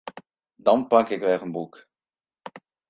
Dan pak ik wer in boek.